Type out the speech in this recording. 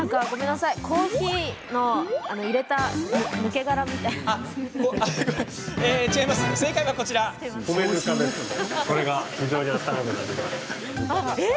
コーヒーのいれた抜け殻みたいなもの。